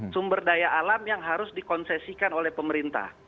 sumber daya alam yang harus dikonsesikan oleh pemerintah